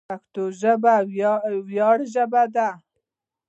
پښتو ژبه د ویاړ ژبه ده.